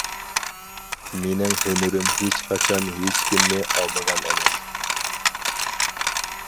مېنىڭ ھۈنىرىم ھېچقاچان ھېچكىمنى ئالدىغان ئەمەس!